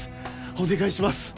お願いします